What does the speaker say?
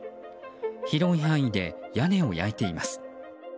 広い範囲で屋根を焼いています。